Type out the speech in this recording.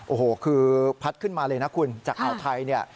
โอ้โหคือพัดขึ้นมาเลยนะคุณจากอ่าวไทยเนี่ย